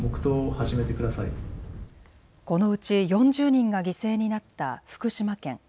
このうち４０人が犠牲になった福島県。